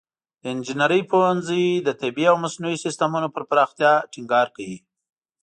د انجینري پوهنځی د طبیعي او مصنوعي سیستمونو پر پراختیا ټینګار کوي.